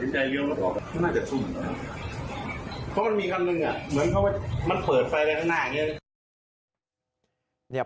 เพราะมันมีคำหนึ่งเหมือนมันเผิดไปอะไรข้างหน้า